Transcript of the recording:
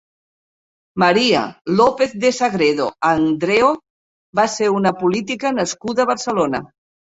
María López de Sagredo Andreo va ser una política nascuda a Barcelona.